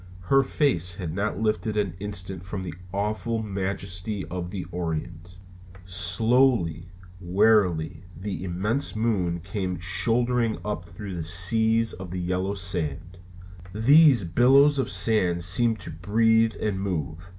Her face had not lifted an instant from the awful majesty of the Orient. Slowly, wearily, the immense moon came shouldering up through the seas of yellow sand. These billows of sand seemed to breathe and move.